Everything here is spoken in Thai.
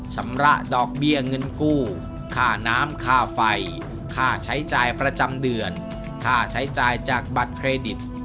ชำระดอกเบี้ยเงินกู้ค่าน้ำค่าไฟค่าใช้จ่ายประจำเดือนค่าใช้จ่ายจากบัตรเครดิต